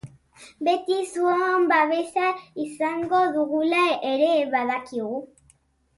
Beti zuon baesa izan dugula ere badakigu.